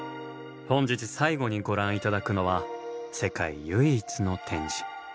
本日最後にご覧頂くのは世界唯一の展示。